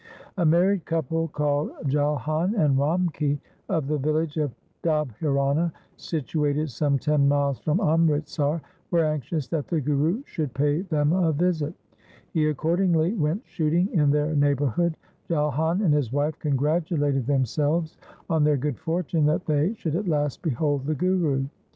A married couple called Jalhan and Ramki of the village of Dobhirana, situated some ten miles from Amritsar, were anxious that the Guru should pay them a visit. He accordingly went shooting in their neighbourhood. Jalhan and his wife congratulated themselves on their good fortune that they should at last behold the Guru.